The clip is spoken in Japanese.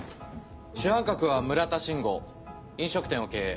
主犯格は村田慎吾飲食店を経営。